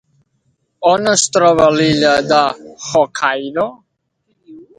On es troba l'illa de Hokkaido?